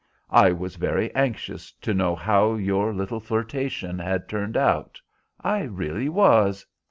I was very anxious to know how your little flirtation had turned out. I really was.